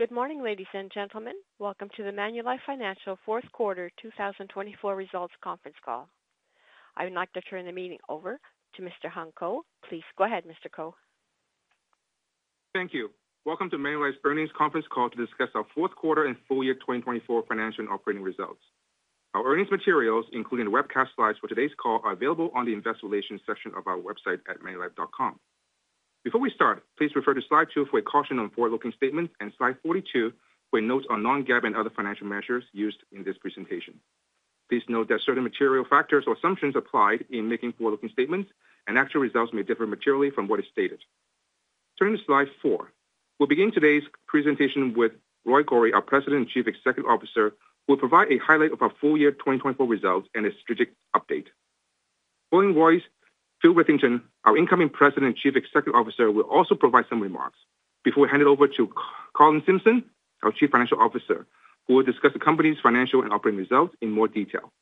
Good morning, ladies and gentlemen. Welcome to the Manulife Financial Q4 2024 Results Conference Call. I would like to turn the meeting over to Mr. Hung Ko. Please go ahead, Mr. Ko. Thank you. Welcome to Manulife's earnings conference call to discuss our Q4 and full year 2024 financial and operating results. Our earnings materials, including the webcast slides for today's call, are available on the Investor Relations section of our website at manulife.com. Before we start, please refer to slide 2 for a caution on forward-looking statements and slide 42 for a note on non-GAAP and other financial measures used in this presentation. Please note that certain material factors or assumptions applied in making forward-looking statements and actual results may differ materially from what is stated. Turning to slide 4, we'll begin today's presentation with Roy Gori, our President and Chief Executive Officer, who will provide a highlight of our full year 2024 results and a strategic update. Paul Lorentz, Phil Witherington, our incoming President and Chief Executive Officer, will also provide some remarks. Before we hand it over to Colin Simpson, our Chief Financial Officer, who will discuss the company's financial and operating results in more detail.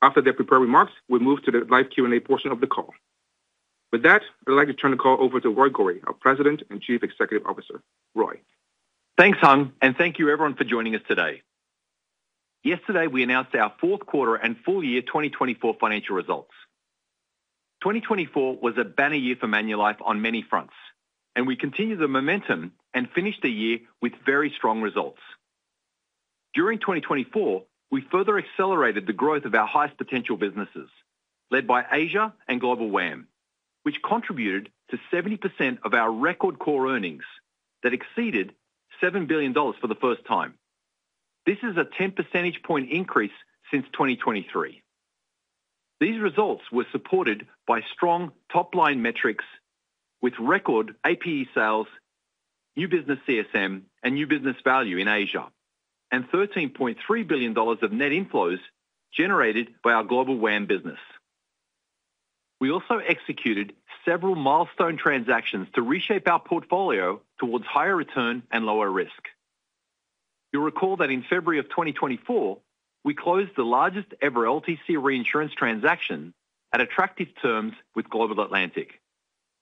After their prepared remarks, we'll move to the live Q&A portion of the call. With that, I'd like to turn the call over to Roy Gori, our President and Chief Executive Officer. Roy. Thanks, Hung, and thank you, everyone, for joining us today. Yesterday, we announced our Q4 and full year 2024 financial results. 2024 was a banner year for Manulife on many fronts, and we continued the momentum and finished the year with very strong results. During 2024, we further accelerated the growth of our highest potential businesses, led by Asia and Global WAM, which contributed to 70% of our record core earnings that exceeded 7 billion dollars for the first time. This is a 10 percentage point increase since 2023. These results were supported by strong top-line metrics with record APE sales, new business CSM, and new business value in Asia, and 13.3 billion dollars of net inflows generated by our Global WAM business. We also executed several milestone transactions to reshape our portfolio towards higher return and lower risk. You'll recall that in February of 2024, we closed the largest ever LTC reinsurance transaction at attractive terms with Global Atlantic,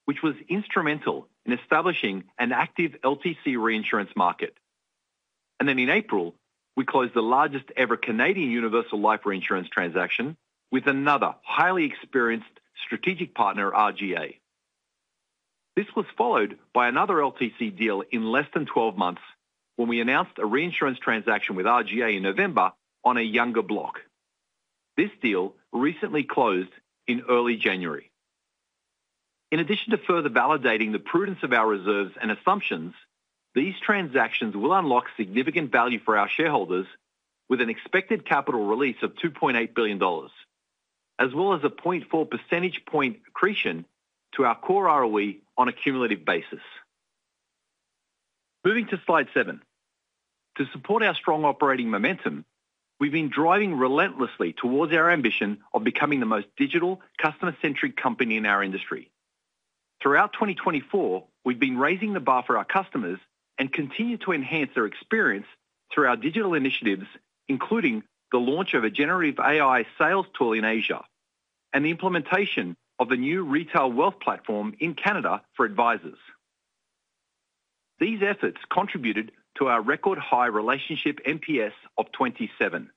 which was instrumental in establishing an active LTC reinsurance market. And then in April, we closed the largest ever Canadian Universal Life reinsurance transaction with another highly experienced strategic partner, RGA. This was followed by another LTC deal in less than 12 months when we announced a reinsurance transaction with RGA in November on a younger block. This deal recently closed in early January. In addition to further validating the prudence of our reserves and assumptions, these transactions will unlock significant value for our shareholders with an expected capital release of $2.8 billion, as well as a 0.4 percentage point accretion to our core ROE on a cumulative basis. Moving to slide 7. To support our strong operating momentum, we've been driving relentlessly towards our ambition of becoming the most digital, customer-centric company in our industry. Throughout 2024, we've been raising the bar for our customers and continue to enhance their experience through our digital initiatives, including the launch of a generative AI sales tool in Asia and the implementation of a new retail wealth platform in Canada for advisors. These efforts contributed to our record high relationship NPS of 27,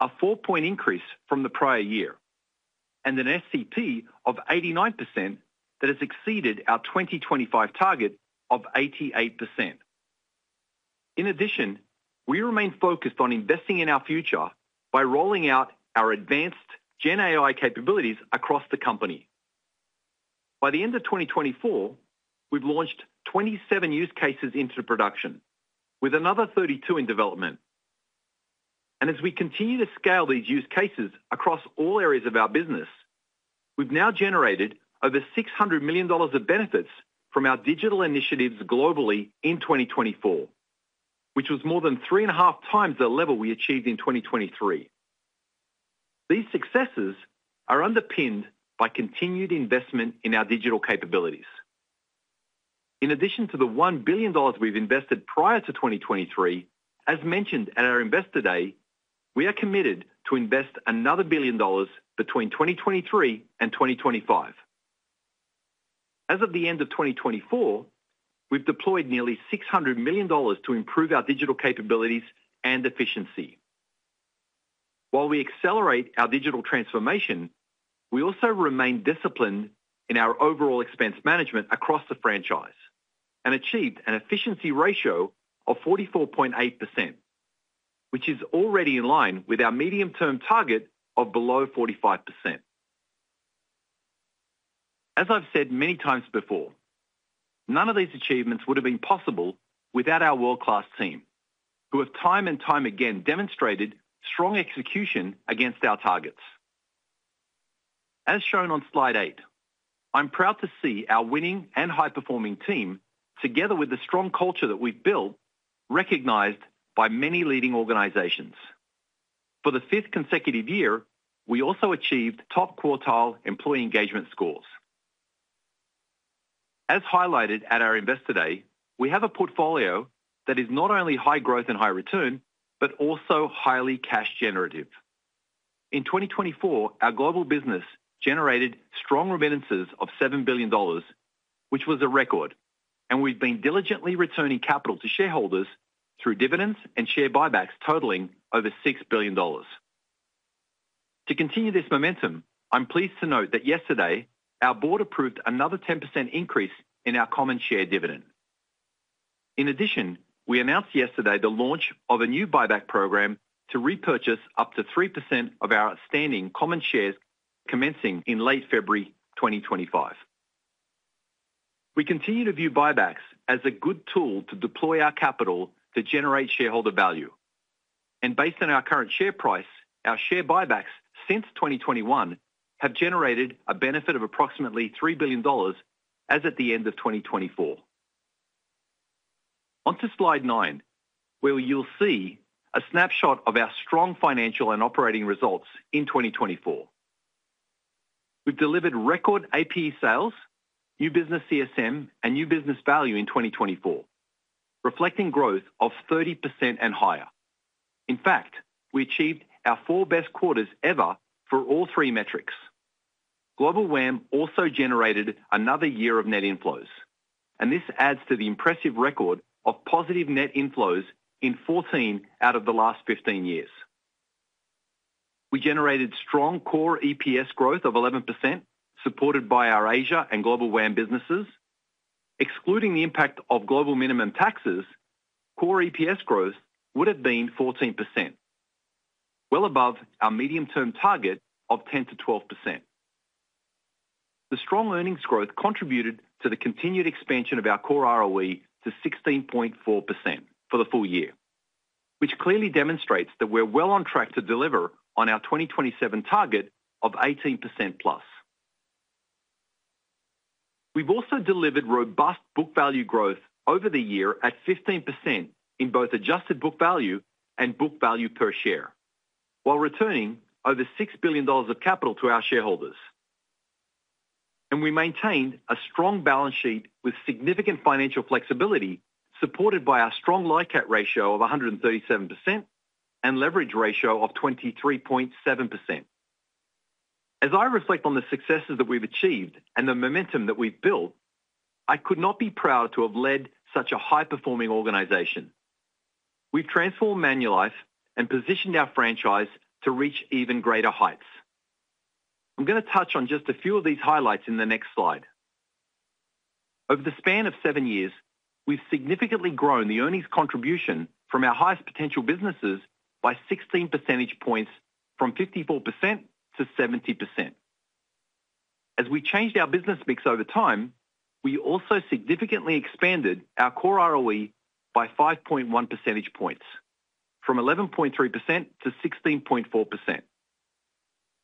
a four-point increase from the prior year, and an STP of 89% that has exceeded our 2025 target of 88%. In addition, we remain focused on investing in our future by rolling out our advanced GenAI capabilities across the company. By the end of 2024, we've launched 27 use cases into production, with another 32 in development. We continue to scale these use cases across all areas of our business. We've now generated over 600 million dollars of benefits from our digital initiatives globally in 2024, which was more than three and a half times the level we achieved in 2023. These successes are underpinned by continued investment in our digital capabilities. In addition to the one billion dollars we've invested prior to 2023, as mentioned at our Investor Day, we are committed to invest another billion dollars between 2023 and 2025. As of the end of 2024, we've deployed nearly 600 million dollars to improve our digital capabilities and efficiency. While we accelerate our digital transformation, we also remain disciplined in our overall expense management across the franchise and achieved an efficiency ratio of 44.8%, which is already in line with our medium-term target of below 45%. As I've said many times before, none of these achievements would have been possible without our world-class team, who have time and time again demonstrated strong execution against our targets. As shown on slide 8, I'm proud to see our winning and high-performing team, together with the strong culture that we've built, recognized by many leading organizations. For the fifth consecutive year, we also achieved top quartile employee engagement scores. As highlighted at our Investor Day, we have a portfolio that is not only high growth and high return but also highly cash generative. In 2024, our global business generated strong remittances of 7 billion dollars, which was a record, and we've been diligently returning capital to shareholders through dividends and share buybacks totaling over 6 billion dollars. To continue this momentum, I'm pleased to note that yesterday, our board approved another 10% increase in our common share dividend. In addition, we announced yesterday the launch of a new buyback program to repurchase up to 3% of our outstanding common shares, commencing in late February 2025. We continue to view buybacks as a good tool to deploy our capital to generate shareholder value. And based on our current share price, our share buybacks since 2021 have generated a benefit of approximately $3 billion as at the end of 2024. Onto slide 9, where you'll see a snapshot of our strong financial and operating results in 2024. We've delivered record APE sales, new business CSM, and new business value in 2024, reflecting growth of 30% and higher. In fact, we achieved our four best quarters ever for all three metrics. Global WAM also generated another year of net inflows, and this adds to the impressive record of positive net inflows in 14 out of the last 15 years. We generated strong core EPS growth of 11%, supported by our Asia and Global WAM businesses. Excluding the impact of global minimum taxes, core EPS growth would have been 14%, well above our medium-term target of 10%-12%. The strong earnings growth contributed to the continued expansion of our core ROE to 16.4% for the full year, which clearly demonstrates that we're well on track to deliver on our 2027 target of 18% plus. We've also delivered robust book value growth over the year at 15% in both adjusted book value and book value per share, while returning over $6 billion of capital to our shareholders. And we maintained a strong balance sheet with significant financial flexibility, supported by our strong LICAT ratio of 137% and leverage ratio of 23.7%. As I reflect on the successes that we've achieved and the momentum that we've built, I could not be prouder to have led such a high-performing organization. We've transformed Manulife and positioned our franchise to reach even greater heights. I'm going to touch on just a few of these highlights in the next slide. Over the span of seven years, we've significantly grown the earnings contribution from our highest potential businesses by 16 percentage points, from 54% to 70%. As we changed our business mix over time, we also significantly expanded our core ROE by 5.1 percentage points, from 11.3% to 16.4%.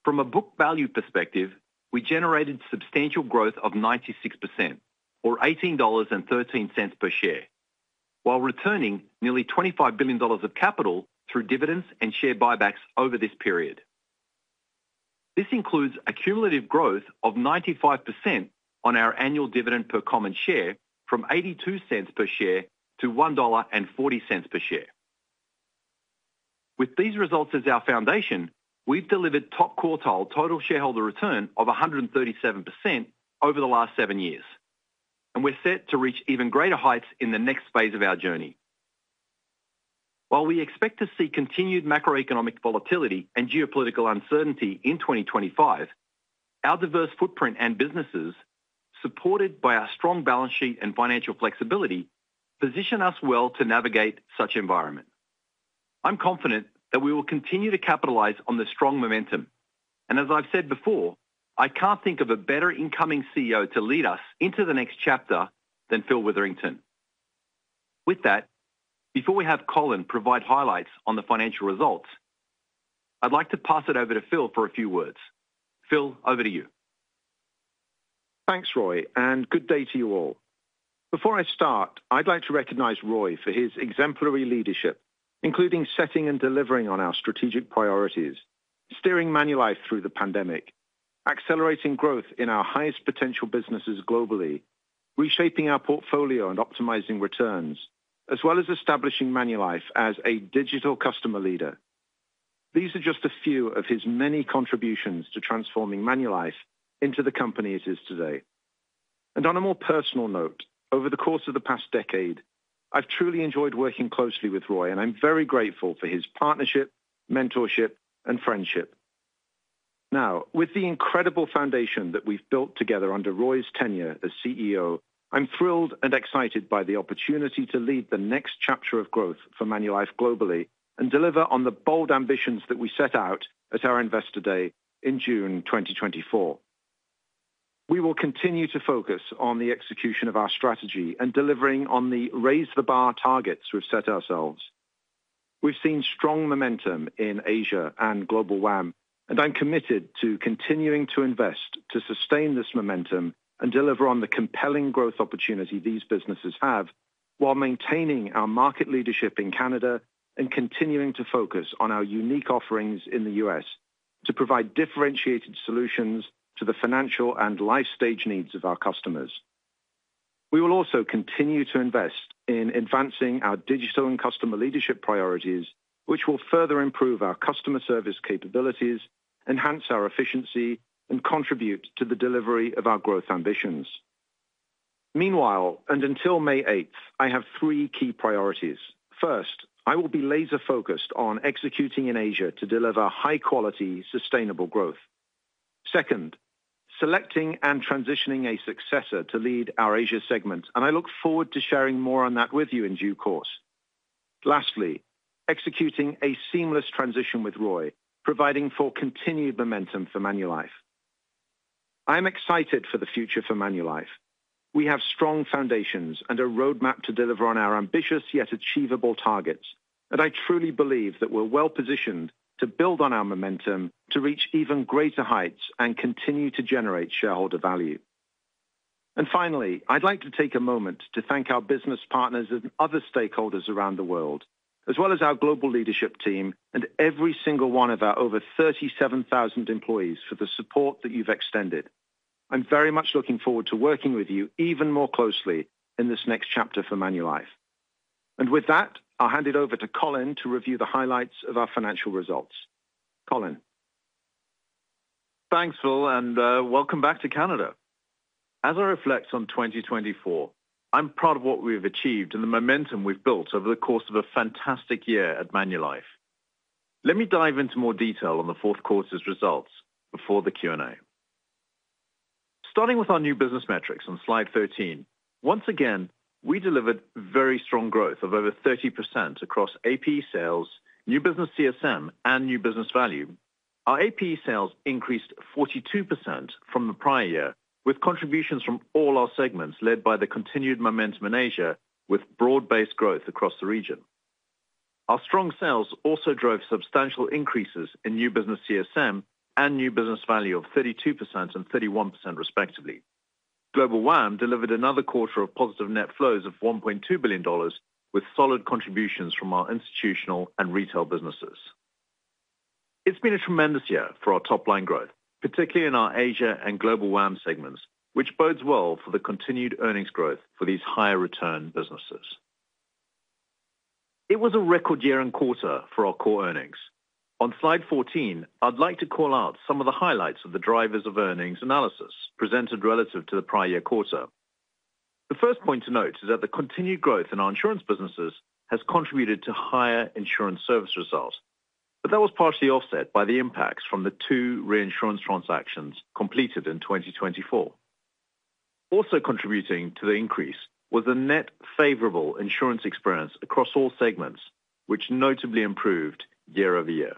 From a book value perspective, we generated substantial growth of 96%, or $18.13 per share, while returning nearly $25 billion of capital through dividends and share buybacks over this period. This includes a cumulative growth of 95% on our annual dividend per common share, from $0.82 per share to $1.40 per share. With these results as our foundation, we've delivered top quartile total shareholder return of 137% over the last seven years, and we're set to reach even greater heights in the next phase of our journey. While we expect to see continued macroeconomic volatility and geopolitical uncertainty in 2025, our diverse footprint and businesses, supported by our strong balance sheet and financial flexibility, position us well to navigate such an environment. I'm confident that we will continue to capitalize on the strong momentum, and as I've said before, I can't think of a better incoming CEO to lead us into the next chapter than Phil Witherington. With that, before we have Colin provide highlights on the financial results, I'd like to pass it over to Phil for a few words. Phil, over to you. Thanks, Roy, and good day to you all. Before I start, I'd like to recognize Roy for his exemplary leadership, including setting and delivering on our strategic priorities, steering Manulife through the pandemic, accelerating growth in our highest potential businesses globally, reshaping our portfolio and optimizing returns, as well as establishing Manulife as a digital customer leader. These are just a few of his many contributions to transforming Manulife into the company it is today. And on a more personal note, over the course of the past decade, I've truly enjoyed working closely with Roy, and I'm very grateful for his partnership, mentorship, and friendship. Now, with the incredible foundation that we've built together under Roy's tenure as CEO, I'm thrilled and excited by the opportunity to lead the next chapter of growth for Manulife globally and deliver on the bold ambitions that we set out at our Investor Day in June 2024. We will continue to focus on the execution of our strategy and delivering on the raise-the-bar targets we've set ourselves. We've seen strong momentum in Asia and Global WAM, and I'm committed to continuing to invest to sustain this momentum and deliver on the compelling growth opportunity these businesses have while maintaining our market leadership in Canada and continuing to focus on our unique offerings in the U.S. to provide differentiated solutions to the financial and life stage needs of our customers. We will also continue to invest in advancing our digital and customer leadership priorities, which will further improve our customer service capabilities, enhance our efficiency, and contribute to the delivery of our growth ambitions. Meanwhile, and until May 8, I have three key priorities. First, I will be laser-focused on executing in Asia to deliver high-quality, sustainable growth. Second, selecting and transitioning a successor to lead our Asia segment, and I look forward to sharing more on that with you in due course. Lastly, executing a seamless transition with Roy, providing for continued momentum for Manulife. I am excited for the future for Manulife. We have strong foundations and a roadmap to deliver on our ambitious yet achievable targets, and I truly believe that we're well positioned to build on our momentum to reach even greater heights and continue to generate shareholder value. And finally, I'd like to take a moment to thank our business partners and other stakeholders around the world, as well as our global leadership team and every single one of our over 37,000 employees for the support that you've extended. I'm very much looking forward to working with you even more closely in this next chapter for Manulife. And with that, I'll hand it over to Colin to review the highlights of our financial results. Colin. Thanks, Phil, and welcome back to Canada. As I reflect on 2024, I'm proud of what we've achieved and the momentum we've built over the course of a fantastic year at Manulife. Let me dive into more detail on the Q4's results before the Q&A. Starting with our new business metrics on slide 13, once again, we delivered very strong growth of over 30% across APE sales, new business CSM, and new business value. Our APE sales increased 42% from the prior year, with contributions from all our segments led by the continued momentum in Asia, with broad-based growth across the region. Our strong sales also drove substantial increases in new business CSM and new business value of 32% and 31%, respectively. Global WAM delivered another quarter of positive net flows of 1.2 billion dollars, with solid contributions from our institutional and retail businesses. It's been a tremendous year for our top-line growth, particularly in our Asia and Global WAM segments, which bodes well for the continued earnings growth for these higher-return businesses. It was a record year and quarter for our core earnings. On slide 14, I'd like to call out some of the highlights of the drivers of earnings analysis presented relative to the prior year quarter. The first point to note is that the continued growth in our insurance businesses has contributed to higher insurance service results, but that was partially offset by the impacts from the two reinsurance transactions completed in 2024. Also contributing to the increase was the net favorable insurance experience across all segments, which notably improved year over year.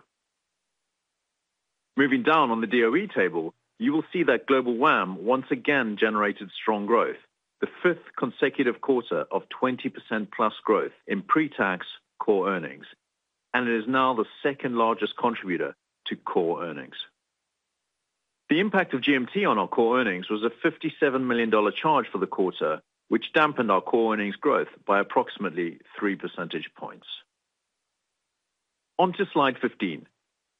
Moving down on the ROE table, you will see that Global WAM once again generated strong growth, the fifth consecutive quarter of 20% plus growth in pre-tax core earnings, and it is now the second-largest contributor to core earnings. The impact of GMT on our core earnings was a 57 million dollar charge for the quarter, which dampened our core earnings growth by approximately 3 percentage points. Onto slide 15,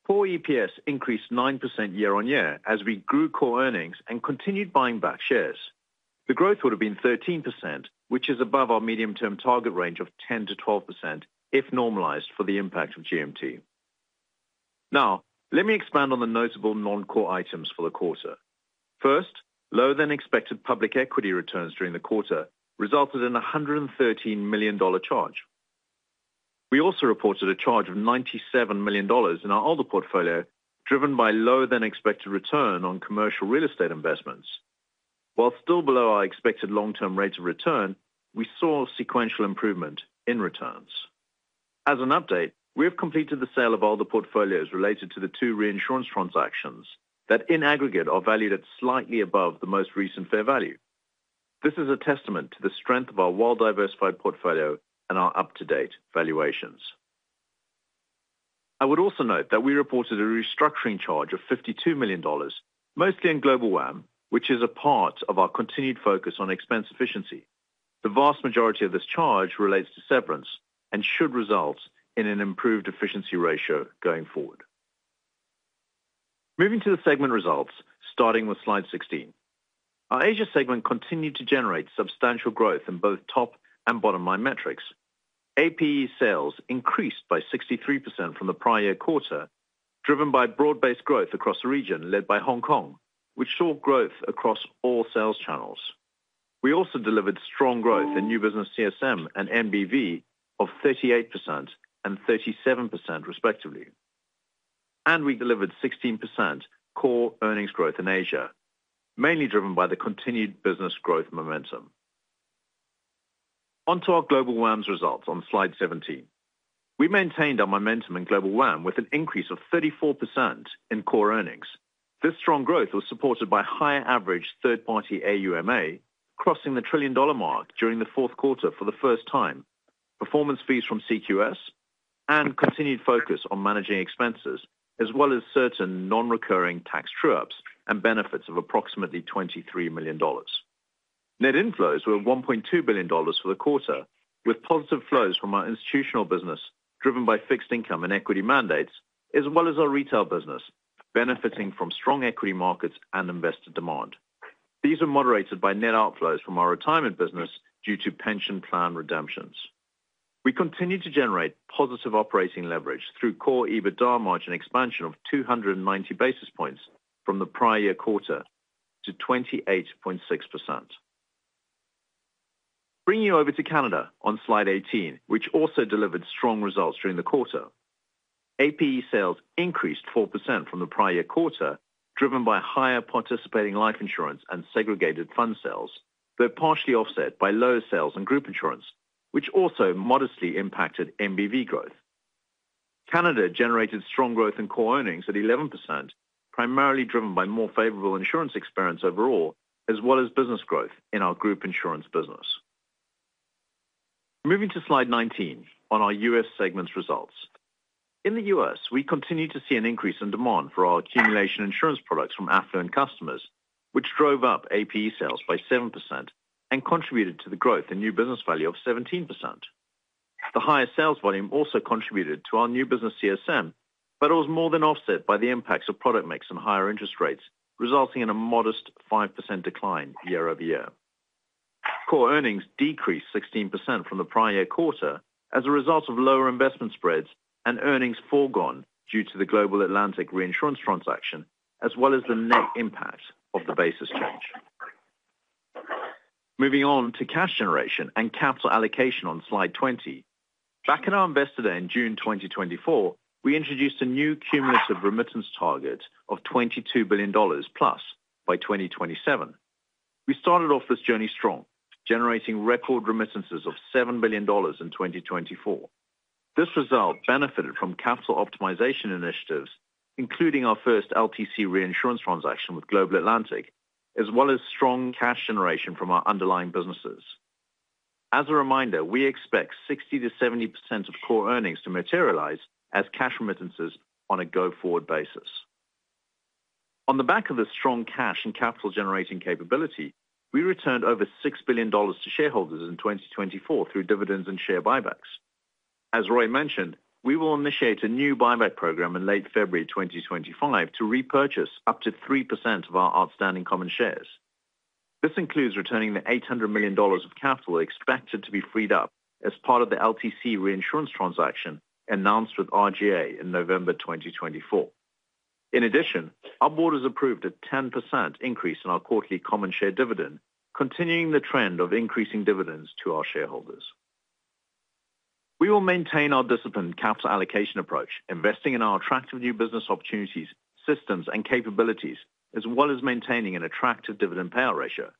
core EPS increased 9% year on year as we grew core earnings and continued buying back shares. The growth would have been 13%, which is above our medium-term target range of 10%-12% if normalized for the impact of GMT. Now, let me expand on the notable non-core items for the quarter. First, lower-than-expected public equity returns during the quarter resulted in a 113 million dollar charge. We also reported a charge of 97 million dollars in our older portfolio, driven by lower-than-expected return on commercial real estate investments. While still below our expected long-term rates of return, we saw sequential improvement in returns. As an update, we have completed the sale of all the portfolios related to the two reinsurance transactions that, in aggregate, are valued at slightly above the most recent fair value. This is a testament to the strength of our well-diversified portfolio and our up-to-date valuations. I would also note that we reported a restructuring charge of 52 million dollars, mostly in Global WAM, which is a part of our continued focus on expense efficiency. The vast majority of this charge relates to severance and should result in an improved efficiency ratio going forward. Moving to the segment results, starting with slide 16, our Asia segment continued to generate substantial growth in both top and bottom-line metrics. APE sales increased by 63% from the prior year quarter, driven by broad-based growth across the region led by Hong Kong, which saw growth across all sales channels. We also delivered strong growth in new business CSM and NBV of 38% and 37%, respectively, and we delivered 16% core earnings growth in Asia, mainly driven by the continued business growth momentum. Onto our Global WAM's results on slide 17. We maintained our momentum in Global WAM with an increase of 34% in core earnings. This strong growth was supported by higher-average third-party AUMA crossing the trillion-dollar mark during the Q4 for the first time, performance fees from CQS, and continued focus on managing expenses, as well as certain non-recurring tax true-ups and benefits of approximately 23 million dollars. Net inflows were 1.2 billion dollars for the quarter, with positive flows from our institutional business, driven by fixed income and equity mandates, as well as our retail business, benefiting from strong equity markets and investor demand. These were moderated by net outflows from our retirement business due to pension plan redemptions. We continued to generate positive operating leverage through core EBITDA margin expansion of 290 basis points from the prior year quarter to 28.6%. Bringing you over to Canada on slide 18, which also delivered strong results during the quarter. APE sales increased 4% from the prior year quarter, driven by higher participating life insurance and segregated fund sales, but partially offset by lower sales in group insurance, which also modestly impacted NBV growth. Canada generated strong growth in core earnings at 11%, primarily driven by more favorable insurance experience overall, as well as business growth in our group insurance business. Moving to slide 19 on our U.S. segment's results. In the U.S., we continue to see an increase in demand for our accumulation insurance products from affluent customers, which drove up APE sales by 7% and contributed to the growth in new business value of 17%. The higher sales volume also contributed to our new business CSM, but it was more than offset by the impacts of product mix and higher interest rates, resulting in a modest 5% decline year over year. Core earnings decreased 16% from the prior year quarter as a result of lower investment spreads and earnings foregone due to the Global Atlantic reinsurance transaction, as well as the net impact of the basis change. Moving on to cash generation and capital allocation on slide 20. Back in our Investor Day in June 2024, we introduced a new cumulative remittance target of 22 billion dollars plus by 2027. We started off this journey strong, generating record remittances of 7 billion dollars in 2024. This result benefited from capital optimization initiatives, including our first LTC reinsurance transaction with Global Atlantic, as well as strong cash generation from our underlying businesses. As a reminder, we expect 60%-70% of core earnings to materialize as cash remittances on a go-forward basis. On the back of the strong cash and capital-generating capability, we returned over 6 billion dollars to shareholders in 2024 through dividends and share buybacks. As Roy mentioned, we will initiate a new buyback program in late February 2025 to repurchase up to 3% of our outstanding common shares. This includes returning the 800 million dollars of capital expected to be freed up as part of the LTC reinsurance transaction announced with RGA in November 2024. In addition, our board has approved a 10% increase in our quarterly common share dividend, continuing the trend of increasing dividends to our shareholders. We will maintain our disciplined capital allocation approach, investing in our attractive new business opportunities, systems, and capabilities, as well as maintaining an attractive dividend payout ratio.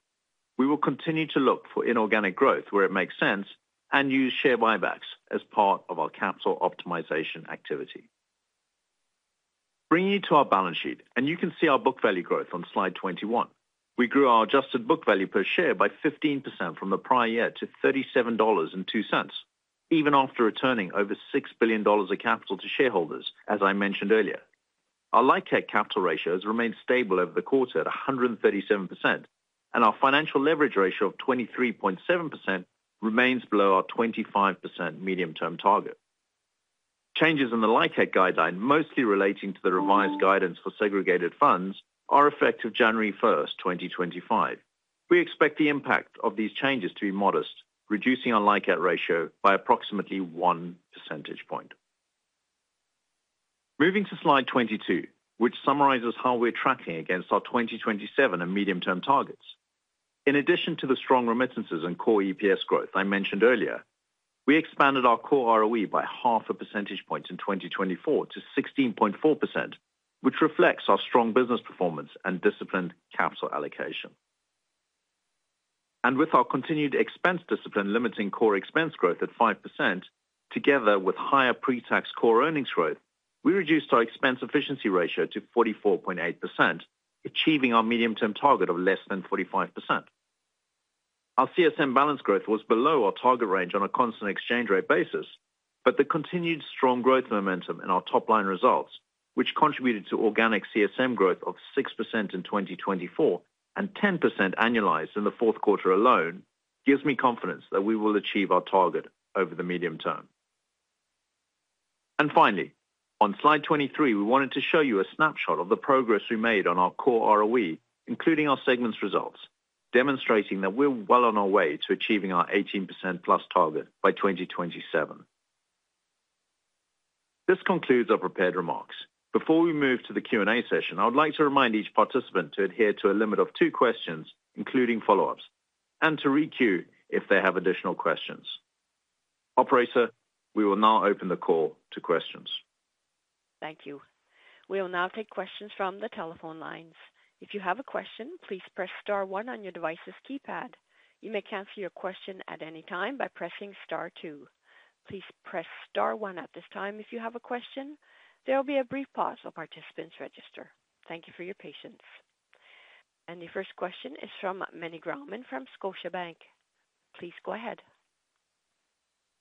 We will continue to look for inorganic growth where it makes sense and use share buybacks as part of our capital optimization activity. Bringing you to our balance sheet, and you can see our book value growth on slide 21. We grew our adjusted book value per share by 15% from the prior year to $37.02, even after returning over $6 billion of capital to shareholders, as I mentioned earlier. Our LICAT capital ratios remained stable over the quarter at 137%, and our financial leverage ratio of 23.7% remains below our 25% medium-term target. Changes in the LICAT guideline, mostly relating to the revised guidance for segregated funds, are effective January 1, 2025. We expect the impact of these changes to be modest, reducing our LICAT ratio by approximately 1 percentage point. Moving to slide 22, which summarizes how we're tracking against our 2027 and medium-term targets. In addition to the strong remittances and core EPS growth I mentioned earlier, we expanded our core ROE by half a percentage point in 2024 to 16.4%, which reflects our strong business performance and disciplined capital allocation. And with our continued expense discipline limiting core expense growth at 5%, together with higher pre-tax core earnings growth, we reduced our expense efficiency ratio to 44.8%, achieving our medium-term target of less than 45%. Our CSM balance growth was below our target range on a constant exchange rate basis, but the continued strong growth momentum in our top-line results, which contributed to organic CSM growth of 6% in 2024 and 10% annualized in the Q4 alone, gives me confidence that we will achieve our target over the medium term. And finally, on slide 23, we wanted to show you a snapshot of the progress we made on our Core ROE, including our segment's results, demonstrating that we're well on our way to achieving our 18% plus target by 2027. This concludes our prepared remarks. Before we move to the Q&A session, I would like to remind each participant to adhere to a limit of two questions, including follow-ups, and to re-queue if they have additional questions. Operator, we will now open the call to questions. Thank you. We will now take questions from the telephone lines. If you have a question, please press Star 1 on your device's keypad. You may cancel your question at any time by pressing Star 2. Please press Star 1 at this time if you have a question. There will be a brief pause while participants register. Thank you for your patience. The first question is from Meny Grauman from Scotiabank. Please go ahead.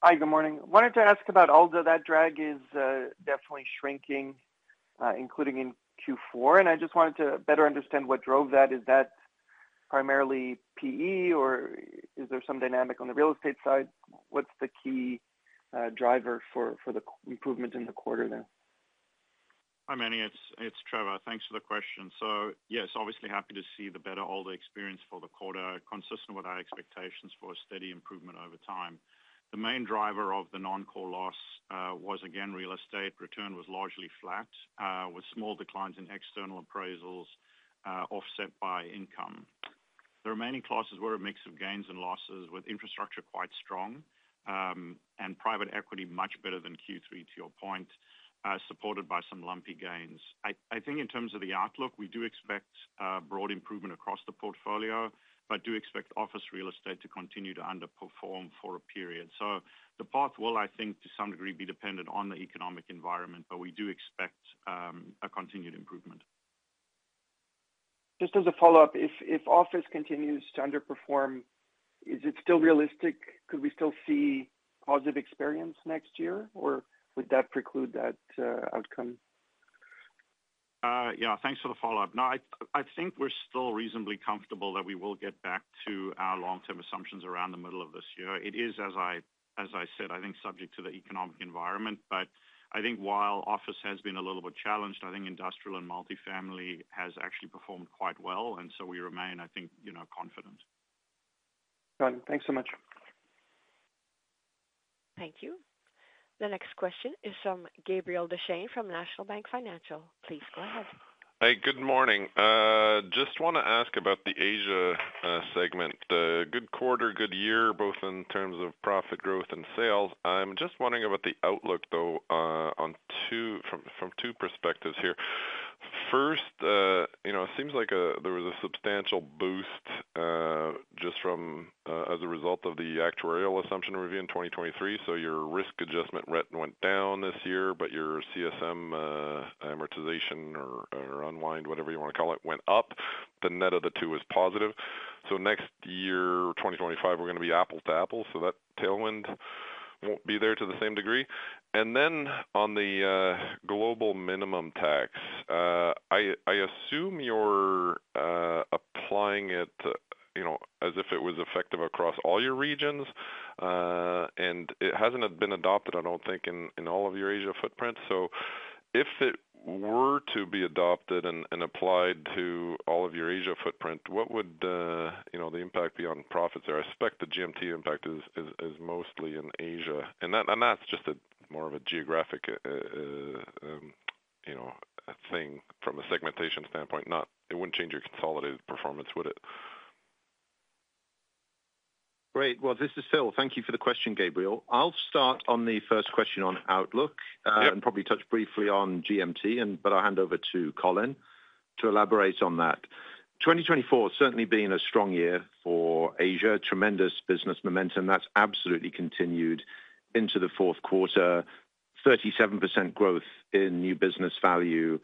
Hi, good morning. Wanted to ask about ALDA that drag is definitely shrinking, including in Q4, and I just wanted to better understand what drove that. Is that primarily PE, or is there some dynamic on the real estate side? What's the key driver for the improvement in the quarter there? Hi, Meny. It's Trevor. Thanks for the question. So yes, obviously happy to see the better overall experience for the quarter, consistent with our expectations for steady improvement over time. The main driver of the non-core loss was, again, real estate. Returns were largely flat, with small declines in external appraisals offset by income. The remaining classes were a mix of gains and losses, with infrastructure quite strong and private equity much better than Q3, to your point, supported by some lumpy gains. I think in terms of the outlook, we do expect broad improvement across the portfolio, but do expect office real estate to continue to underperform for a period. So the path will, I think, to some degree be dependent on the economic environment, but we do expect a continued improvement. Just as a follow-up, if office continues to underperform, is it still realistic? Could we still see positive experience next year, or would that preclude that outcome? Yeah, thanks for the follow-up. No, I think we're still reasonably comfortable that we will get back to our long-term assumptions around the middle of this year. It is, as I said, I think subject to the economic environment, but I think while office has been a little bit challenged, I think industrial and multifamily has actually performed quite well, and so we remain, I think, confident. Got it. Thanks so much. Thank you. The next question is from Gabriel Dechaine from National Bank Financial. Please go ahead. Hi, good morning. Just want to ask about the Asia segment. Good quarter, good year, both in terms of profit growth and sales. I'm just wondering about the outlook, though, from two perspectives here. First, it seems like there was a substantial boost just as a result of the actuarial assumption review in 2023. So your risk adjustment rate went down this year, but your CSM amortization or unwind, whatever you want to call it, went up. The net of the two is positive. So next year, 2025, we're going to be apples to apples, so that tailwind won't be there to the same degree. And then on the global minimum tax, I assume you're applying it as if it was effective across all your regions, and it hasn't been adopted, I don't think, in all of your Asia footprints. So if it were to be adopted and applied to all of your Asia footprint, what would the impact be on profits there? I suspect the GMT impact is mostly in Asia, and that's just more of a geographic thing from a segmentation standpoint. It wouldn't change your consolidated performance, would it? Great. Well, this is Phil. Thank you for the question, Gabriel. I'll start on the first question on outlook and probably touch briefly on GMT, but I'll hand over to Colin to elaborate on that. 2024 certainly being a strong year for Asia, tremendous business momentum. That's absolutely continued into the Q4, 37% growth in new business value.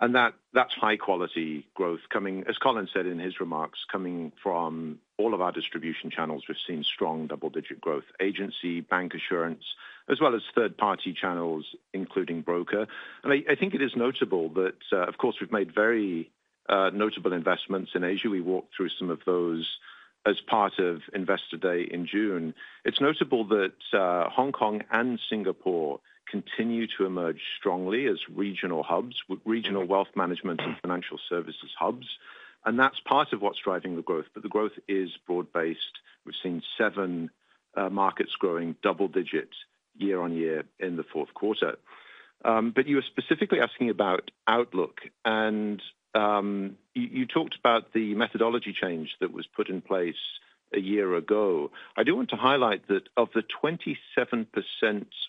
And that's high-quality growth, as Colin said in his remarks, coming from all of our distribution channels. We've seen strong double-digit growth, agency, bancassurance, as well as third-party channels, including broker. And I think it is notable that, of course, we've made very notable investments in Asia. We walked through some of those as part of Investor Day in June. It's notable that Hong Kong and Singapore continue to emerge strongly as regional hubs, regional Wealth Management and financial services hubs, and that's part of what's driving the growth. But the growth is broad-based. We've seen seven markets growing double-digit year on year in the Q4. But you were specifically asking about outlook, and you talked about the methodology change that was put in place a year ago. I do want to highlight that of the 27%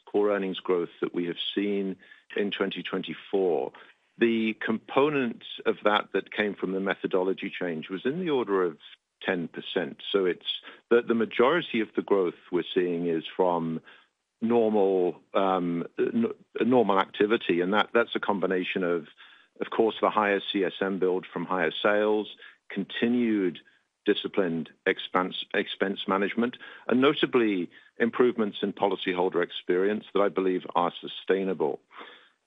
core earnings growth that we have seen in 2024, the component of that that came from the methodology change was in the order of 10%. So it's that the majority of the growth we're seeing is from normal activity, and that's a combination of course, the higher CSM build from higher sales, continued disciplined expense management, and notably improvements in policyholder experience that I believe are sustainable.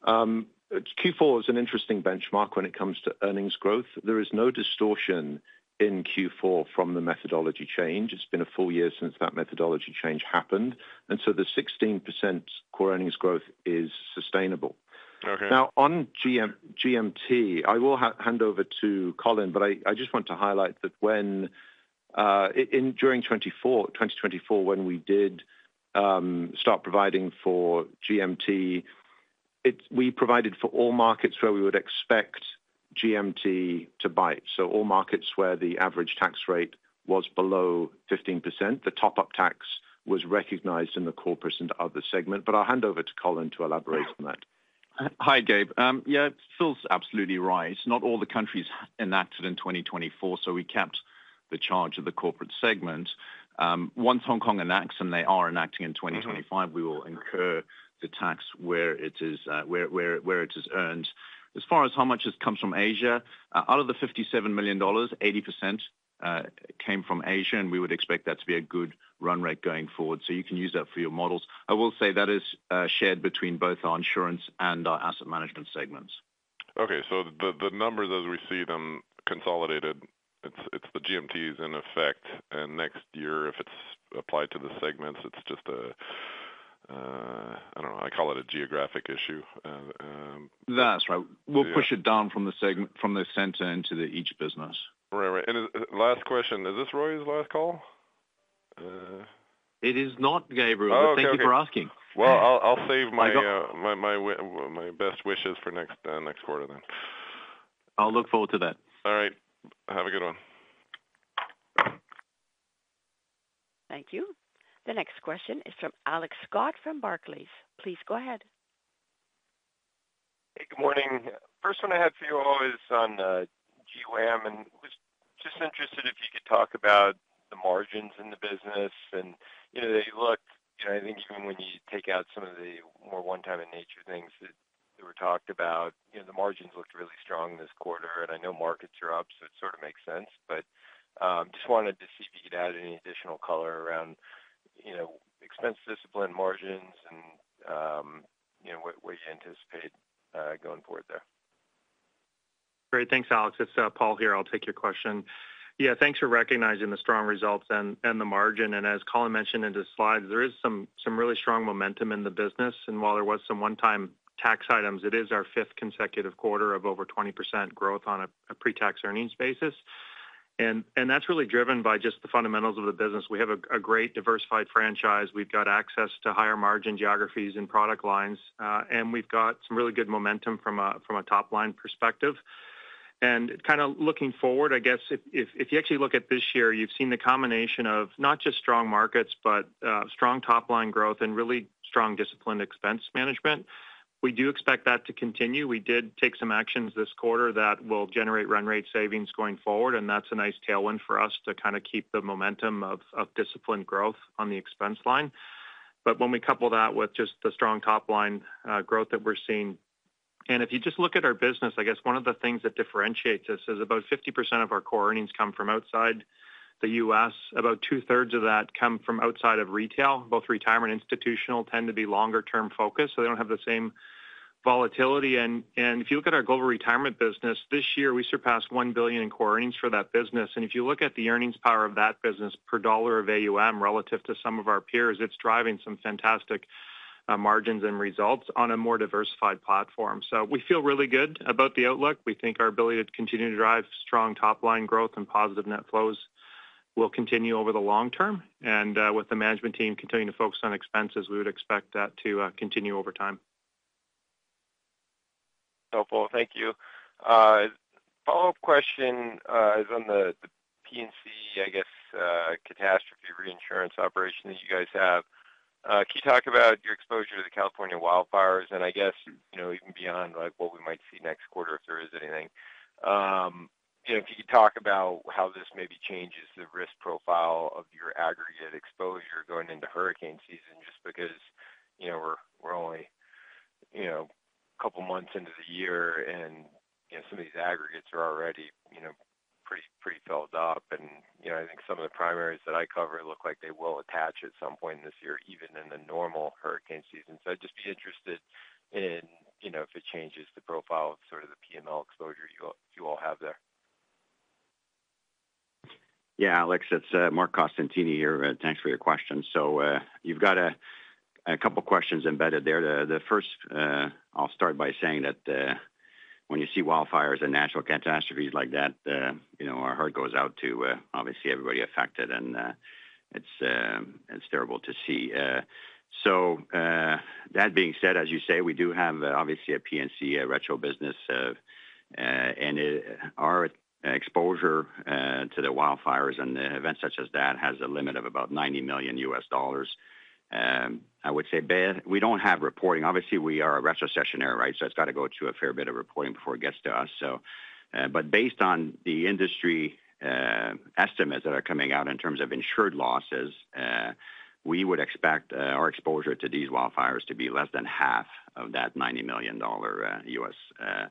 Q4 is an interesting benchmark when it comes to earnings growth. There is no distortion in Q4 from the methodology change. It's been a full year since that methodology change happened, and so the 16% core earnings growth is sustainable. Now, on GMT, I will hand over to Colin, but I just want to highlight that during 2024, when we did start providing for GMT, we provided for all markets where we would expect GMT to bite, so all markets where the average tax rate was below 15%. The top-up tax was recognized in the corporate and other segment, but I'll hand over to Colin to elaborate on that. Hi, Gabe. Yeah, Phil's absolutely right. Not all the countries enacted in 2024, so we kept the charge of the corporate segment. Once Hong Kong enacts and they are enacting in 2025, we will incur the tax where it is earned. As far as how much has come from Asia, out of the 57 million dollars, 80% came from Asia, and we would expect that to be a good run rate going forward. So you can use that for your models. I will say that is shared between both our insurance and our asset management segments. Okay, so the numbers, as we see them consolidated, it's the GMTs in effect, and next year, if it's applied to the segments, it's just a, I don't know, I call it a geographic issue. That's right. We'll push it down from the center into each business. Right, right. And last question, is this Roy's last call? It is not, Gabriel. Thank you for asking. I'll save my best wishes for next quarter then. I'll look forward to that. All right. Have a good one. Thank you. The next question is from Alex Scott from Barclays. Please go ahead. Hey, good morning. First one I had for you all is on GWAM, and I was just interested if you could talk about the margins in the business, and they look, I think even when you take out some of the more one-time-in-nature things that were talked about, the margins looked really strong this quarter, and I know markets are up, so it sort of makes sense, but just wanted to see if you could add any additional color around expense discipline, margins, and what you anticipate going forward there. Great. Thanks, Alex. It's Paul here. I'll take your question. Yeah, thanks for recognizing the strong results and the margin, and as Colin mentioned in the slides, there is some really strong momentum in the business, while there was some one-time tax items. It is our fifth consecutive quarter of over 20% growth on a pre-tax earnings basis, and that's really driven by just the fundamentals of the business. We have a great diversified franchise. We've got access to higher margin geographies and product lines, and we've got some really good momentum from a top-line perspective, and kind of looking forward, I guess, if you actually look at this year, you've seen the combination of not just strong markets, but strong top-line growth and really strong disciplined expense management. We do expect that to continue. We did take some actions this quarter that will generate run rate savings going forward, and that's a nice tailwind for us to kind of keep the momentum of disciplined growth on the expense line. But when we couple that with just the strong top-line growth that we're seeing, and if you just look at our business, I guess one of the things that differentiates us is about 50% of our core earnings come from outside the U.S. About two-thirds of that come from outside of retail. Both retirement and institutional tend to be longer-term focused, so they don't have the same volatility. And if you look at our global retirement business, this year, we surpassed $1 billion in core earnings for that business. If you look at the earnings power of that business per dollar of AUM relative to some of our peers, it's driving some fantastic margins and results on a more diversified platform. So we feel really good about the outlook. We think our ability to continue to drive strong top-line growth and positive net flows will continue over the long term. With the management team continuing to focus on expenses, we would expect that to continue over time. Helpful. Thank you. Follow-up question is on the P&C, I guess, catastrophe reinsurance operation that you guys have. Can you talk about your exposure to the California wildfires? And I guess even beyond what we might see next quarter, if there is anything, if you could talk about how this maybe changes the risk profile of your aggregate exposure going into hurricane season, just because we're only a couple of months into the year and some of these aggregates are already pretty filled up. And I think some of the primaries that I cover look like they will attach at some point this year, even in the normal hurricane season. So I'd just be interested in if it changes the profile of sort of the P&L exposure you all have there. Yeah, Alex, it's Marc Costantini here. Thanks for your question. So you've got a couple of questions embedded there. The first, I'll start by saying that when you see wildfires and natural catastrophes like that, our heart goes out to obviously everybody affected, and it's terrible to see. So that being said, as you say, we do have obviously a P&C retro business, and our exposure to the wildfires and events such as that has a limit of about $90 million USD. I would say we don't have reporting. Obviously, we are retrocessionaire, right? So it's got to go through a fair bit of reporting before it gets to us. But based on the industry estimates that are coming out in terms of insured losses, we would expect our exposure to these wildfires to be less than half of that $90 million USD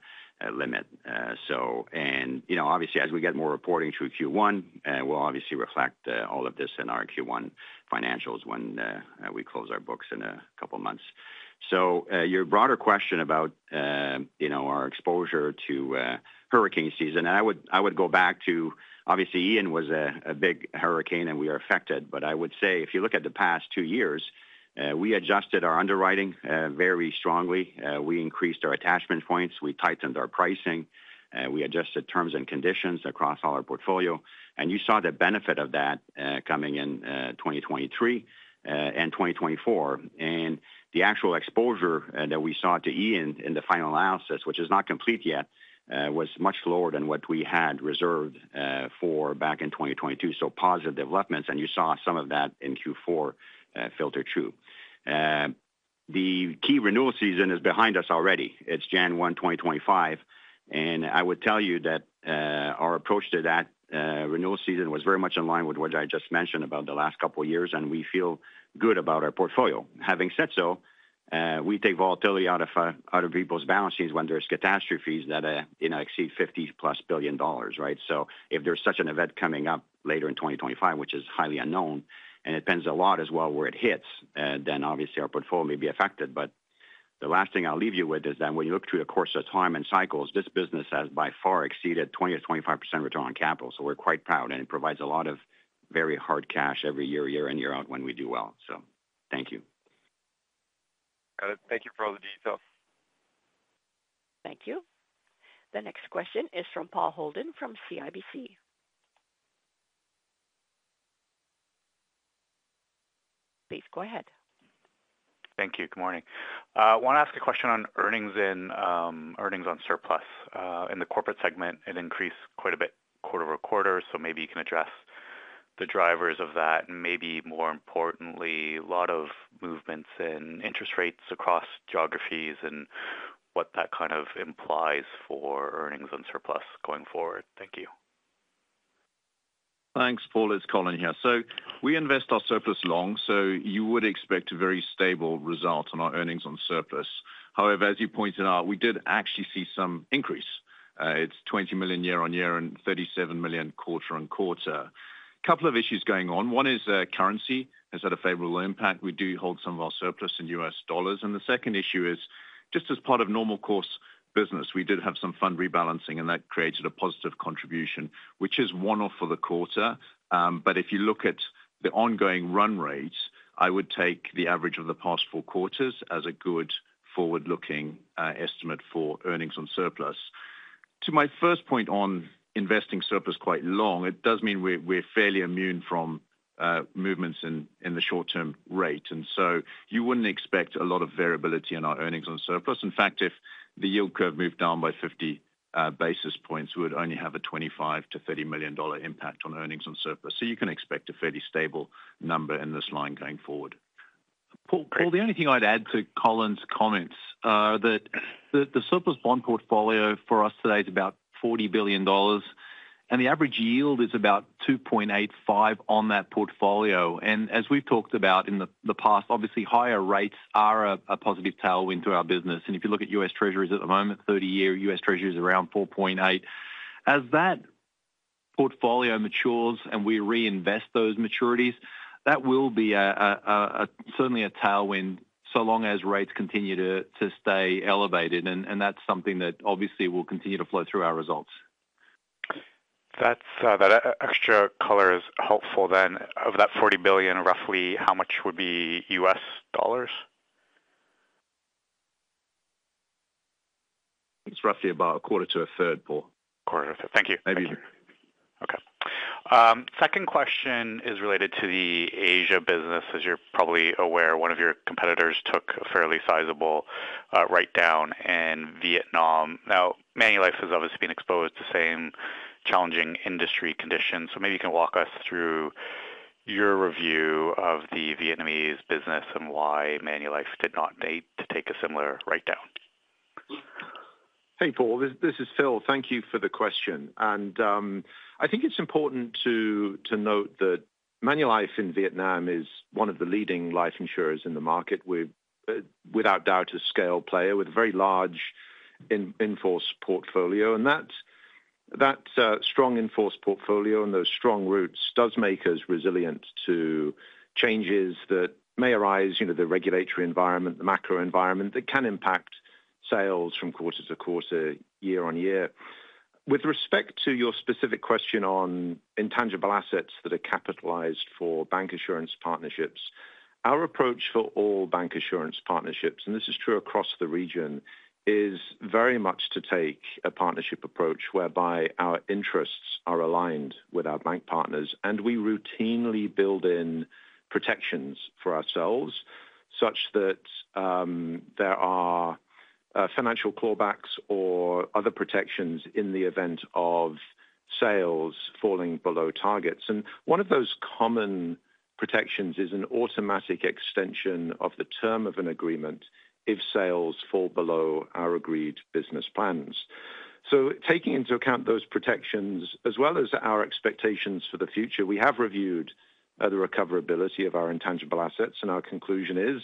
limit. And obviously, as we get more reporting through Q1, we'll obviously reflect all of this in our Q1 financials when we close our books in a couple of months. So your broader question about our exposure to hurricane season, and I would go back to obviously Ian was a big hurricane and we are affected, but I would say if you look at the past two years, we adjusted our underwriting very strongly. We increased our attachment points, we tightened our pricing, we adjusted terms and conditions across all our portfolio. And you saw the benefit of that coming in 2023 and 2024. And the actual exposure that we saw to Ian in the final analysis, which is not complete yet, was much lower than what we had reserved for back in 2022. So positive developments, and you saw some of that in Q4 filter through. The key renewal season is behind us already. It's January 1, 2025, and I would tell you that our approach to that renewal season was very much in line with what I just mentioned about the last couple of years, and we feel good about our portfolio. Having said so, we take volatility out of people's balance sheets when there are catastrophes that exceed $50 plus billion, right? So if there's such an event coming up later in 2025, which is highly unknown, and it depends a lot as well where it hits, then obviously our portfolio may be affected, but the last thing I'll leave you with is that when you look through the course of time and cycles, this business has by far exceeded 20% or 25% return on capital. So we're quite proud, and it provides a lot of very hard cash every year, year in, year out when we do well. So thank you. Got it. Thank you for all the details. Thank you. The next question is from Paul Holden from CIBC. Please go ahead. Thank you. Good morning. I want to ask a question on earnings on surplus. In the corporate segment, it increased quite a bit quarter over quarter, so maybe you can address the drivers of that, and maybe more importantly, a lot of movements in interest rates across geographies and what that kind of implies for earnings on surplus going forward. Thank you. Thanks, Paul. It's Colin here. So we invest our surplus long, so you would expect a very stable result on our earnings on surplus. However, as you pointed out, we did actually see some increase. It's 20 million year on year and 37 million quarter on quarter. A couple of issues going on. One is currency has had a favorable impact. We do hold some of our surplus in U.S. dollars. And the second issue is just as part of normal course business, we did have some fund rebalancing, and that created a positive contribution, which is one-off for the quarter. But if you look at the ongoing run rates, I would take the average of the past four quarters as a good forward-looking estimate for earnings on surplus. To my first point on investing surplus quite long, it does mean we're fairly immune from movements in the short-term rate. You wouldn't expect a lot of variability in our earnings on surplus. In fact, if the yield curve moved down by 50 basis points, we would only have a $25-$30 million impact on earnings on surplus. You can expect a fairly stable number in this line going forward. Paul, the only thing I'd add to Colin's comments is that the surplus bond portfolio for us today is about $40 billion, and the average yield is about 2.85 on that portfolio. As we've talked about in the past, obviously higher rates are a positive tailwind to our business. If you look at U.S. Treasuries at the moment, 30-year U.S. Treasuries are around 4.8. As that portfolio matures and we reinvest those maturities, that will be certainly a tailwind so long as rates continue to stay elevated. And that's something that obviously will continue to flow through our results. That extra color is helpful then. Of that $40 billion, roughly how much would be U.S. dollars? It's roughly about a quarter to a third, Paul. Quarter to a third. Thank you. Maybe. Okay. Second question is related to the Asia business. As you're probably aware, one of your competitors took a fairly sizable write-down in Vietnam. Now, Manulife has obviously been exposed to same challenging industry conditions. So maybe you can walk us through your review of the Vietnamese business and why Manulife did not take a similar write-down? Hey, Paul. This is Phil. Thank you for the question, and I think it's important to note that Manulife in Vietnam is one of the leading life insurers in the market, without doubt a scale player with a very large in-force portfolio, and that strong in-force portfolio and those strong roots does make us resilient to changes that may arise, the regulatory environment, the macro environment that can impact sales from quarter to quarter, year on year. With respect to your specific question on intangible assets that are capitalized for bancassurance partnerships, our approach for all bancassurance partnerships, and this is true across the region, is very much to take a partnership approach whereby our interests are aligned with our bank partners, and we routinely build in protections for ourselves such that there are financial clawbacks or other protections in the event of sales falling below targets. One of those common protections is an automatic extension of the term of an agreement if sales fall below our agreed business plans. Taking into account those protections as well as our expectations for the future, we have reviewed the recoverability of our intangible assets, and our conclusion is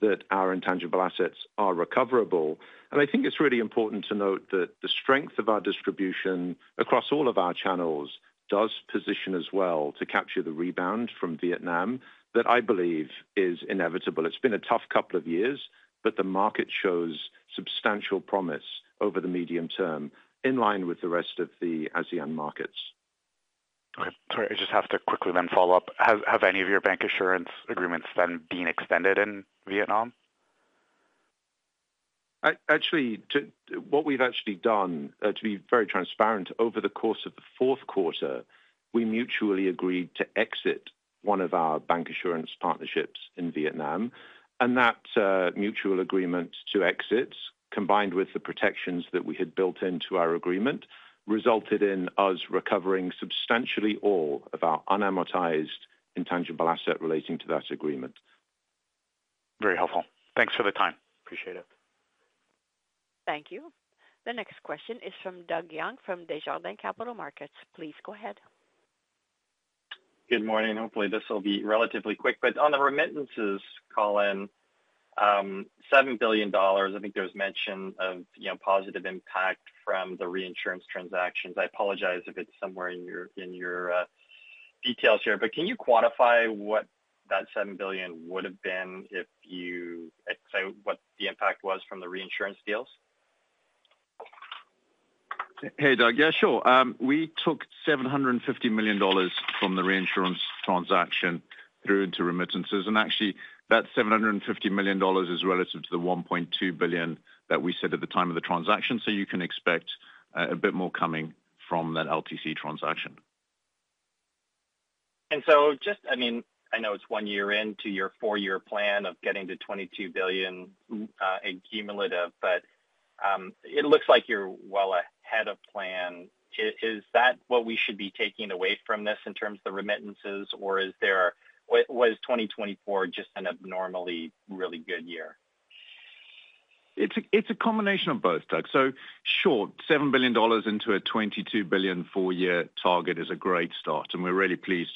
that our intangible assets are recoverable. I think it's really important to note that the strength of our distribution across all of our channels positions us well to capture the rebound from Vietnam that I believe is inevitable. It's been a tough couple of years, but the market shows substantial promise over the medium term in line with the rest of the ASEAN markets. Sorry, I just have to quickly then follow up. Have any of your bancassurance agreements then been extended in Vietnam? Actually, what we've actually done, to be very transparent, over the course of the Q4, we mutually agreed to exit one of our bancassurance partnerships in Vietnam, and that mutual agreement to exit, combined with the protections that we had built into our agreement, resulted in us recovering substantially all of our unamortized intangible asset relating to that agreement. Very helpful. Thanks for the time. Appreciate it. Thank you. The next question is from Doug Young from Desjardins Capital Markets. Please go ahead. Good morning. Hopefully, this will be relatively quick, but on the remittances, Colin, $7 billion, I think there was mention of positive impact from the reinsurance transactions. I apologize if it's somewhere in your details here, but can you quantify what that $7 billion would have been if you say what the impact was from the reinsurance deals? Hey, Doug. Yeah, sure. We took $750 million from the reinsurance transaction through into remittances. And actually, that $750 million is relative to the $1.2 billion that we said at the time of the transaction. So you can expect a bit more coming from that LTC transaction. And so just, I mean, I know it's one year into your four-year plan of getting to 22 billion accumulative, but it looks like you're well ahead of plan. Is that what we should be taking away from this in terms of the remittances, or was 2024 just an abnormally really good year? It's a combination of both, Doug. So short 7 billion dollars into a 22 billion four-year target is a great start, and we're really pleased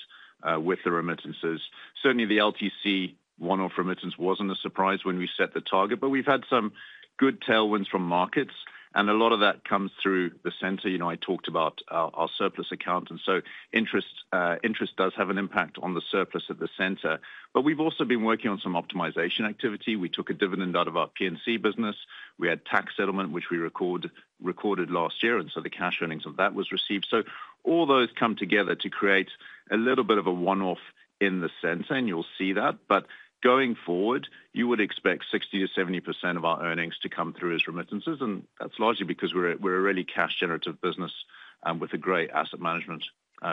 with the remittances. Certainly, the LTC one-off remittance wasn't a surprise when we set the target, but we've had some good tailwinds from markets, and a lot of that comes through the center. I talked about our surplus account, and so interest does have an impact on the surplus at the center. But we've also been working on some optimization activity. We took a dividend out of our P&C business. We had tax settlement, which we recorded last year, and so the cash earnings of that was received. So all those come together to create a little bit of a one-off in the center, and you'll see that. But going forward, you would expect 60%-70% of our earnings to come through as remittances, and that's largely because we're a really cash-generative business with a great asset management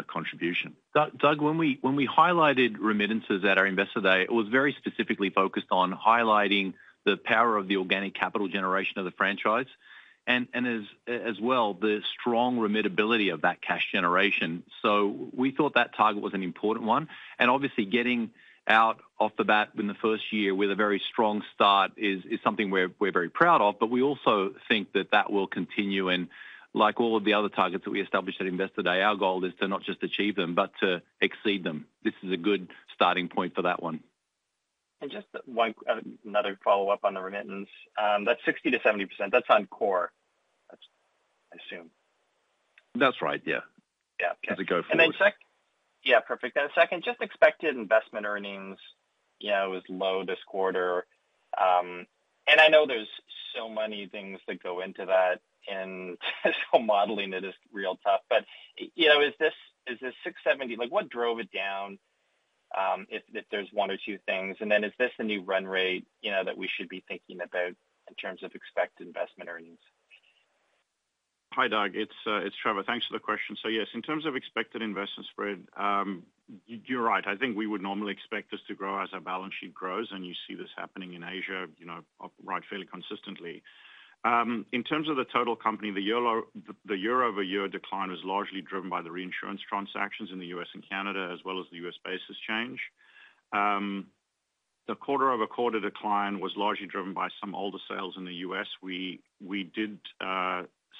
contribution. Doug, when we highlighted remittances at our Investor Day, it was very specifically focused on highlighting the power of the organic capital generation of the franchise and as well the strong remittability of that cash generation. So we thought that target was an important one. And obviously, getting out of the gate in the first year with a very strong start is something we're very proud of, but we also think that that will continue. And like all of the other targets that we established at Investor Day, our goal is to not just achieve them, but to exceed them. This is a good starting point for that one. Just another follow-up on the remittance, that's 60%-70%. That's on core, I assume. That's right, yeah. Yeah, okay. As we go forward. And then check. Yeah, perfect. And second, just expected investment earnings was low this quarter. And I know there's so many things that go into that, and so modeling it is real tough. But is this 670, what drove it down if there's one or two things? And then is this the new run rate that we should be thinking about in terms of expected investment earnings? Hi, Doug. It's Trevor. Thanks for the question. So yes, in terms of expected investment spread, you're right. I think we would normally expect this to grow as our balance sheet grows, and you see this happening in Asia, right, fairly consistently. In terms of the total company, the year-over-year decline was largely driven by the reinsurance transactions in the U.S. and Canada, as well as the U.S. basis change. The quarter-over-quarter decline was largely driven by some older sales in the U.S. We did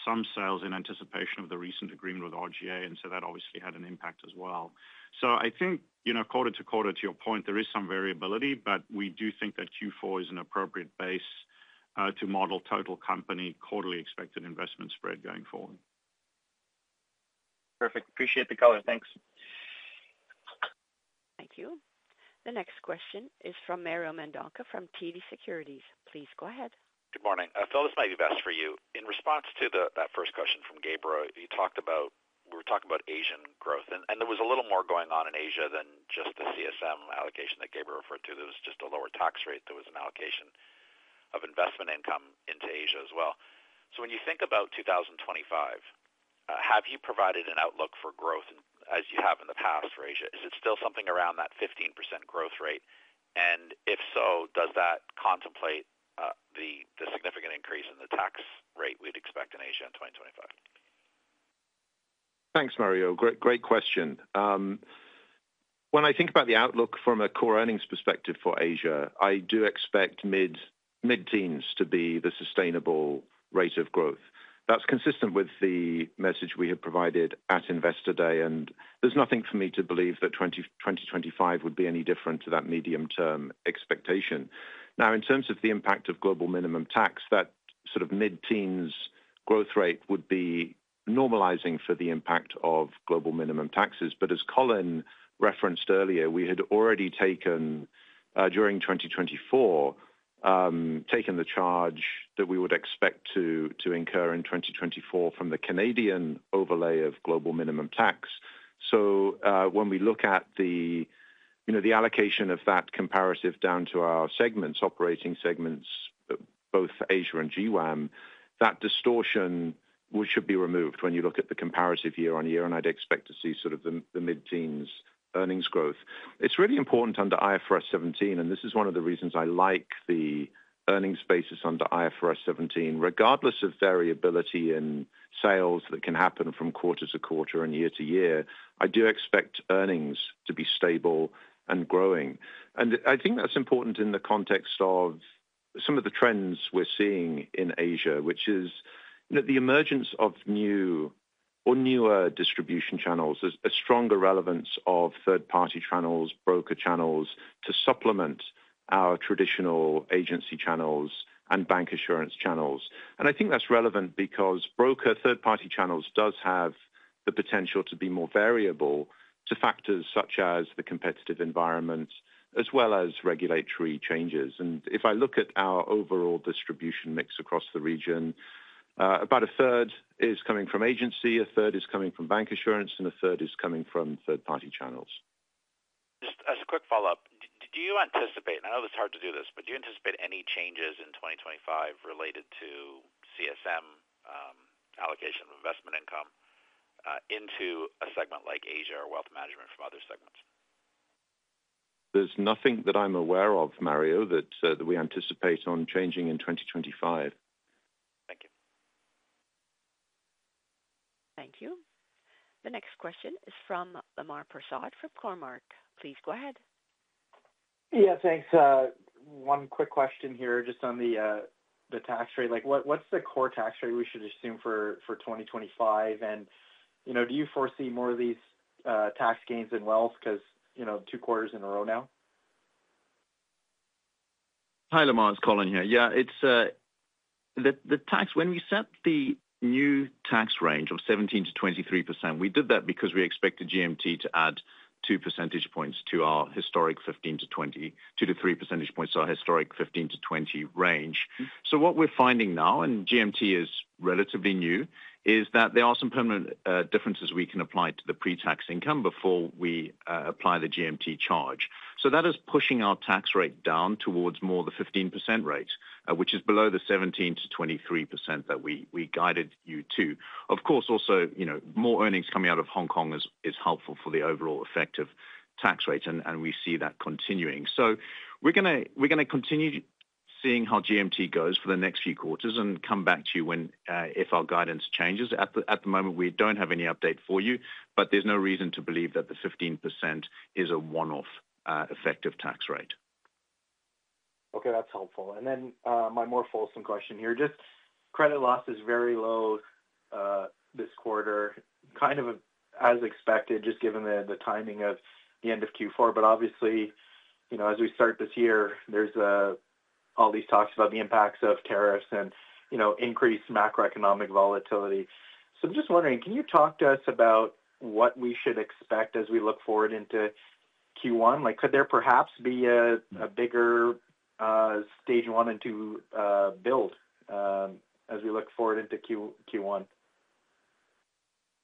some sales in anticipation of the recent agreement with RGA, and so that obviously had an impact as well. So I think quarter to quarter, to your point, there is some variability, but we do think that Q4 is an appropriate base to model total company quarterly expected investment spread going forward. Perfect. Appreciate the color. Thanks. Thank you. The next question is from Mario Mendonca from TD Securities. Please go ahead. Good morning. Phil, this might be best for you. In response to that first question from Gabriel, we were talking about Asian growth, and there was a little more going on in Asia than just the CSM allocation that Gabriel referred to. There was just a lower tax rate. There was an allocation of investment income into Asia as well. So when you think about 2025, have you provided an outlook for growth as you have in the past for Asia? Is it still something around that 15% growth rate, and if so, does that contemplate the significant increase in the tax rate we'd expect in Asia in 2025? Thanks, Mario. Great question. When I think about the outlook from a core earnings perspective for Asia, I do expect mid-teens to be the sustainable rate of growth. That's consistent with the message we have provided at investor day, and there's nothing for me to believe that 2025 would be any different to that medium-term expectation. Now, in terms of the impact of global minimum tax, that sort of mid-teens growth rate would be normalizing for the impact of global minimum taxes. But as Colin referenced earlier, we had already taken, during 2024, the charge that we would expect to incur in 2024 from the Canadian overlay of global minimum tax. So when we look at the allocation of that comparative down to our segments, operating segments, both Asia and GWAM, that distortion should be removed when you look at the comparative year-on-year, and I'd expect to see sort of the mid-teens earnings growth. It's really important under IFRS 17, and this is one of the reasons I like the earnings basis under IFRS 17. Regardless of variability in sales that can happen from quarter to quarter and year to year, I do expect earnings to be stable and growing. And I think that's important in the context of some of the trends we're seeing in Asia, which is the emergence of new or newer distribution channels, a stronger relevance of third-party channels, broker channels to supplement our traditional agency channels and bancassurance channels. I think that's relevant because broker third-party channels does have the potential to be more variable to factors such as the competitive environment as well as regulatory changes. If I look at our overall distribution mix across the region, about a third is coming from agency, a third is coming from bancassurance, and a third is coming from third-party channels. Just as a quick follow-up, do you anticipate, and I know it's hard to do this, but do you anticipate any changes in 2025 related to CSM allocation of investment income into a segment like Asia or wealth management from other segments? There's nothing that I'm aware of, Mario, that we anticipate on changing in 2025. Thank you. Thank you. The next question is from Lemar Persaud from Cormark. Please go ahead. Yeah, thanks. One quick question here just on the tax rate. What's the core tax rate we should assume for 2025? And do you foresee more of these tax gains in wealth because two quarters in a row now? Hi, Lemar. It's Colin here. Yeah, when we set the new tax range of 17%-23%, we did that because we expected GMT to add two percentage points to our historic 15%-20%, two to three percentage points to our historic 15%-20% range. So what we're finding now, and GMT is relatively new, is that there are some permanent differences we can apply to the pre-tax income before we apply the GMT charge. So that is pushing our tax rate down towards more the 15% rate, which is below the 17%-23% that we guided you to. Of course, also, more earnings coming out of Hong Kong is helpful for the overall effective tax rate, and we see that continuing. So we're going to continue seeing how GMT goes for the next few quarters and come back to you if our guidance changes. At the moment, we don't have any update for you, but there's no reason to believe that the 15% is a one-off effective tax rate. Okay, that's helpful. And then my more fulsome question here. Just credit loss is very low this quarter, kind of as expected, just given the timing of the end of Q4. But obviously, as we start this year, there's all these talks about the impacts of tariffs and increased macroeconomic volatility. So I'm just wondering, can you talk to us about what we should expect as we look forward into Q1? Could there perhaps be a bigger stage one and two build as we look forward into Q1?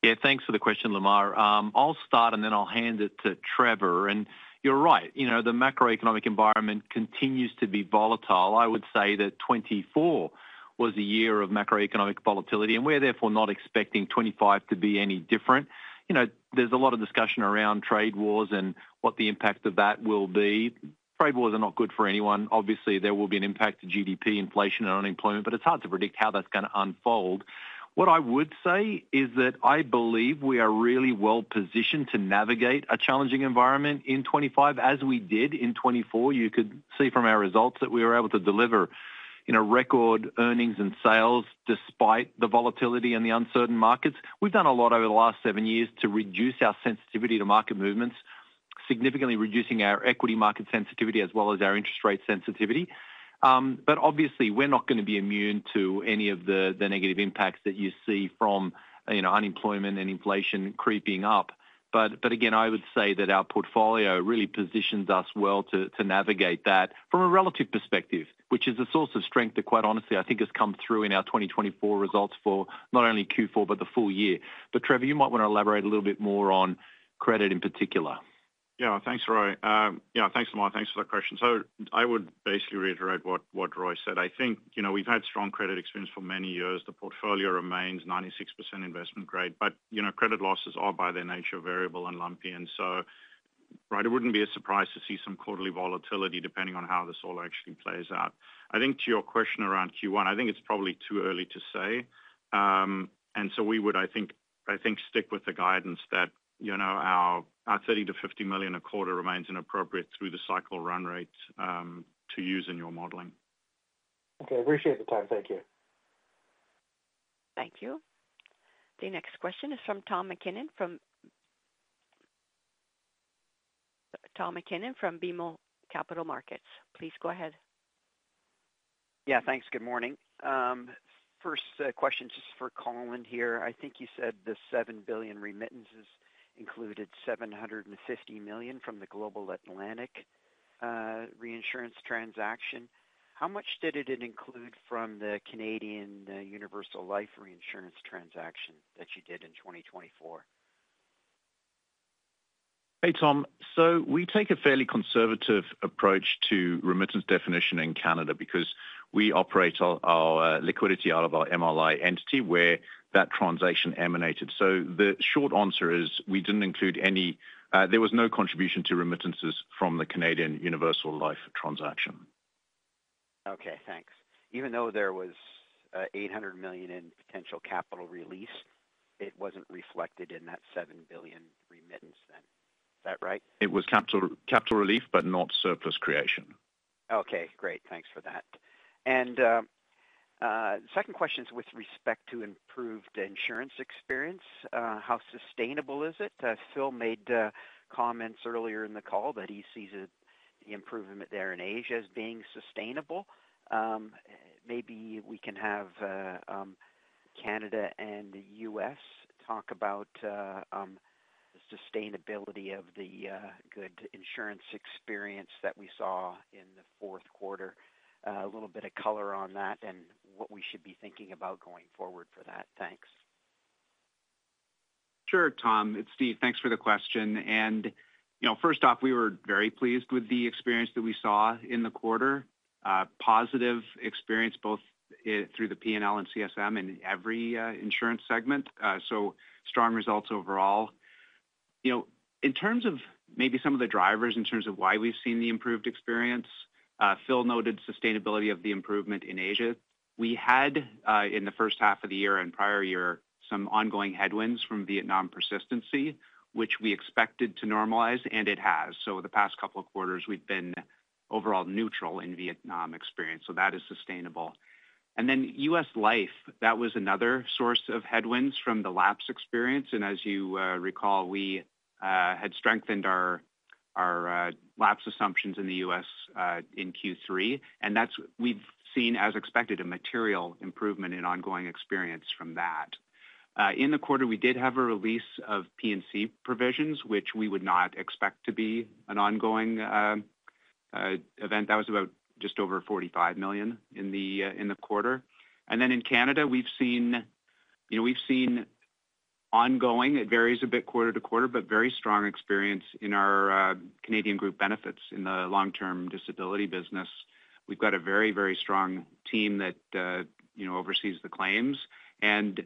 Yeah, thanks for the question, Lemar. I'll start, and then I'll hand it to Trevor. And you're right. The macroeconomic environment continues to be volatile. I would say that 2024 was a year of macroeconomic volatility, and we're therefore not expecting 2025 to be any different. There's a lot of discussion around trade wars and what the impact of that will be. Trade wars are not good for anyone. Obviously, there will be an impact to GDP, inflation, and unemployment, but it's hard to predict how that's going to unfold. What I would say is that I believe we are really well positioned to navigate a challenging environment in 2025, as we did in 2024. You could see from our results that we were able to deliver record earnings and sales despite the volatility and the uncertain markets. We've done a lot over the last seven years to reduce our sensitivity to market movements, significantly reducing our equity market sensitivity as well as our interest rate sensitivity. But obviously, we're not going to be immune to any of the negative impacts that you see from unemployment and inflation creeping up. But again, I would say that our portfolio really positions us well to navigate that from a relative perspective, which is a source of strength that, quite honestly, I think has come through in our 2024 results for not only Q4, but the full year. But Trevor, you might want to elaborate a little bit more on credit in particular. Yeah, thanks, Roy. Yeah, thanks, Lemar. Thanks for that question. So I would basically reiterate what Roy said. I think we've had strong credit experience for many years. The portfolio remains 96% investment grade, but credit losses are, by their nature, variable and lumpy. And so, right, it wouldn't be a surprise to see some quarterly volatility depending on how this all actually plays out. I think to your question around Q1, I think it's probably too early to say. And so we would, I think, stick with the guidance that our 30 million-50 million a quarter remains appropriate through the cycle run rate to use in your modeling. Okay, appreciate the time. Thank you. Thank you. The next question is from Tom MacKinnon from BMO Capital Markets. Please go ahead. Yeah, thanks. Good morning. First question just for Colin here. I think you said the 7 billion remittances included 750 million from the Global Atlantic reinsurance transaction. How much did it include from the Canadian Universal Life reinsurance transaction that you did in 2024? Hey, Tom. So we take a fairly conservative approach to remittance definition in Canada because we operate our liquidity out of our MLI entity where that transaction emanated. So the short answer is we didn't include any. There was no contribution to remittances from the Canadian Universal Life transaction. Okay, thanks. Even though there was 800 million in potential capital release, it wasn't reflected in that 7 billion remittance then. Is that right? It was capital relief, but not surplus creation. Okay, great. Thanks for that. And second question is with respect to improved insurance experience. How sustainable is it? Phil made comments earlier in the call that he sees the improvement there in Asia as being sustainable. Maybe we can have Canada and the U.S. talk about the sustainability of the good insurance experience that we saw in the Q4. A little bit of color on that and what we should be thinking about going forward for that. Thanks. Sure, Tom. It's Steve. Thanks for the question. And first off, we were very pleased with the experience that we saw in the quarter. Positive experience both through the P&L and CSM in every insurance segment. So strong results overall. In terms of maybe some of the drivers in terms of why we've seen the improved experience, Phil noted sustainability of the improvement in Asia. We had, in the first half of the year and prior year, some ongoing headwinds from Vietnam persistency, which we expected to normalize, and it has. So the past couple of quarters, we've been overall neutral in Vietnam experience. So that is sustainable. And then US Life, that was another source of headwinds from the lapse experience. And as you recall, we had strengthened our lapse assumptions in the U.S. in Q3. And we've seen, as expected, a material improvement in ongoing experience from that. In the quarter, we did have a release of P&C provisions, which we would not expect to be an ongoing event. That was about just over 45 million in the quarter. And then in Canada, we've seen ongoing, it varies a bit quarter to quarter, but very strong experience in our Canadian Group Benefits in the long-term disability business. We've got a very, very strong team that oversees the claims and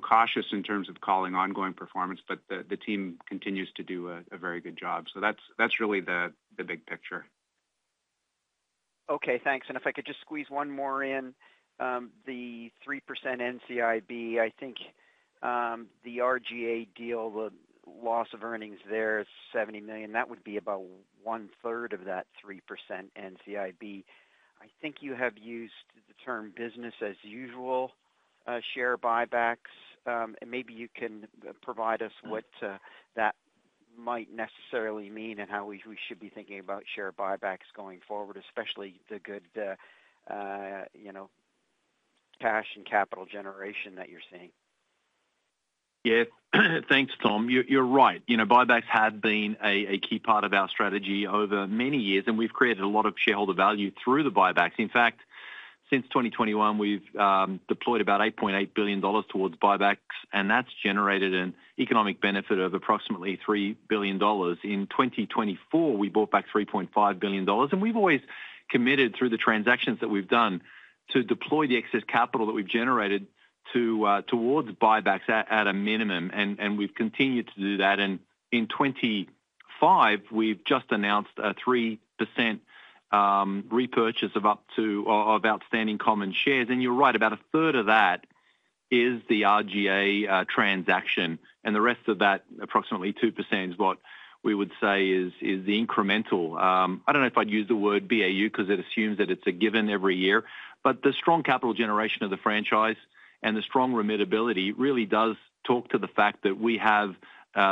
cautious in terms of calling ongoing performance, but the team continues to do a very good job. So that's really the big picture. Okay, thanks. And if I could just squeeze one more in, the 3% NCIB, I think the RGA deal, the loss of earnings there, 70 million, that would be about one-third of that 3% NCIB. I think you have used the term business as usual, share buybacks. And maybe you can provide us what that might necessarily mean and how we should be thinking about share buybacks going forward, especially the good cash and capital generation that you're seeing. Yeah, thanks, Tom. You're right. Buybacks have been a key part of our strategy over many years, and we've created a lot of shareholder value through the buybacks. In fact, since 2021, we've deployed about 8.8 billion dollars towards buybacks, and that's generated an economic benefit of approximately 3 billion dollars. In 2024, we bought back 3.5 billion dollars, and we've always committed through the transactions that we've done to deploy the excess capital that we've generated towards buybacks at a minimum. And we've continued to do that. In 2025, we've just announced a 3% repurchase of outstanding common shares. And you're right, about a third of that is the RGA transaction. And the rest of that, approximately 2%, is what we would say is the incremental. I don't know if I'd use the word BAU because it assumes that it's a given every year. But the strong capital generation of the franchise and the strong remittability really does talk to the fact that we have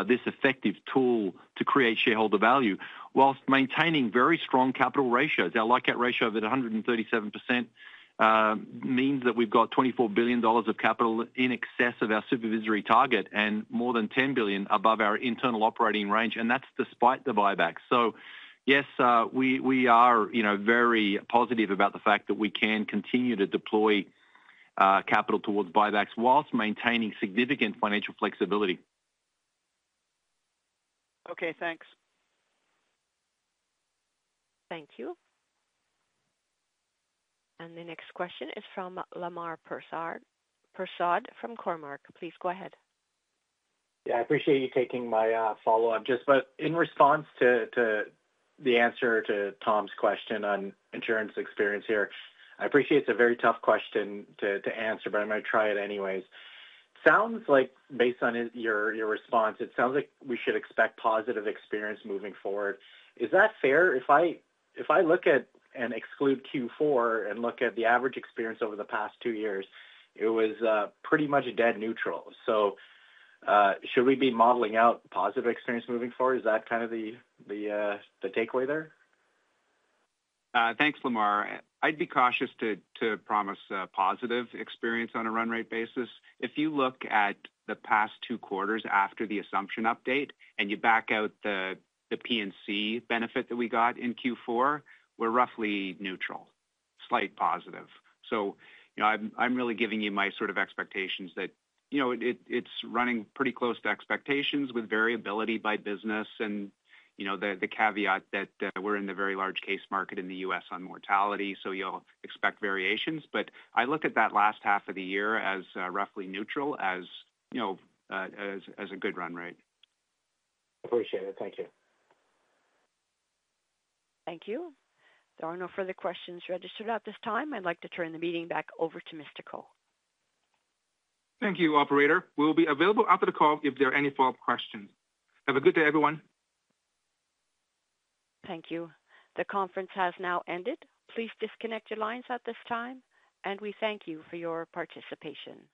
this effective tool to create shareholder value whilst maintaining very strong capital ratios. Our LICAT ratio of 137% means that we've got 24 billion dollars of capital in excess of our supervisory target and more than 10 billion above our internal operating range. And that's despite the buybacks. So yes, we are very positive about the fact that we can continue to deploy capital towards buybacks whilst maintaining significant financial flexibility. Okay, thanks. Thank you. And the next question is from Lemar Persaud from Cormark. Please go ahead. Yeah, I appreciate you taking my follow-up. Just in response to the answer to Tom's question on insurance experience here, I appreciate it's a very tough question to answer, but I'm going to try it anyways. Based on your response, it sounds like we should expect positive experience moving forward. Is that fair? If I look at and exclude Q4 and look at the average experience over the past two years, it was pretty much dead neutral. So should we be modeling out positive experience moving forward? Is that kind of the takeaway there? Thanks, Lemar. I'd be cautious to promise positive experience on a run rate basis. If you look at the past two quarters after the assumption update and you back out the P&C benefit that we got in Q4, we're roughly neutral, slight positive. So I'm really giving you my sort of expectations that it's running pretty close to expectations with variability by business and the caveat that we're in the very large case market in the U.S. on mortality. So you'll expect variations. But I look at that last half of the year as roughly neutral as a good run rate. Appreciate it. Thank you. Thank you. There are no further questions registered at this time. I'd like to turn the meeting back over to Mr. Ko. Thank you, Operator. We'll be available after the call if there are any follow-up questions. Have a good day, everyone. Thank you. The conference has now ended. Please disconnect your lines at this time, and we thank you for your participation.